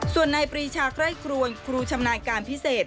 ส่วนนายปรีชาไคร่ครวนครูชำนาญการพิเศษ